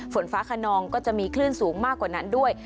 ฝนฟ้าขนองก็จะมีคลื่นสูงมากกว่านั้นด้วย